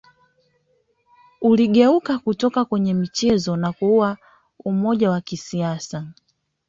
Uligeuka kutoka kwenye michezo na kuwa umoja wa kisiasa